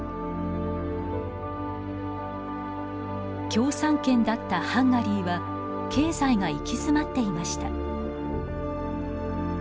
共産圏だったハンガリーは経済が行き詰まっていました。